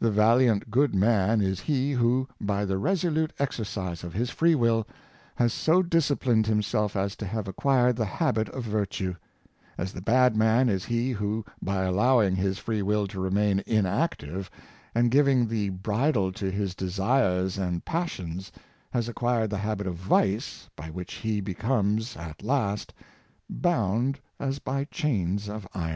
The valiant good man is he who, by the resolute exercise of his free will, has so disciplined himself as to have acquired the habit of virtue; as the bad man is he who, by allowing his free will to remain inactive, and giving the bridle to his desires and passions, has acquired the habit of vice, by which he becomes, at last, bound as by chains of iron.